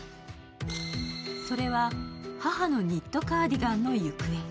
それは、母のニットカーディガンの行方。